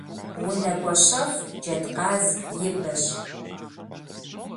Унэгуащэфӏ джэдкъаз и бэщ.